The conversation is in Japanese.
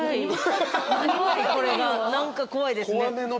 何か怖いですね。